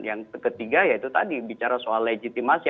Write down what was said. yang ketiga ya itu tadi bicara soal legitimasi